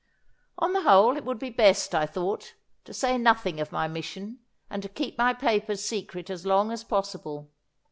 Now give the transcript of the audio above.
On the whole it would be best, I thought, to say nothing of my mission, and to keep my papers secret as long as possible.